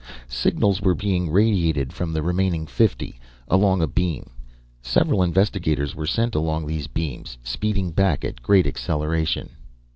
Signals were being radiated from the remaining fifty, along a beam. Several investigators were sent along these beams, speeding back at great acceleration.